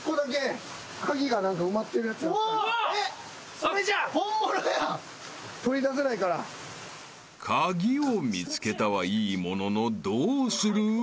［鍵を見つけたはいいもののどうする？］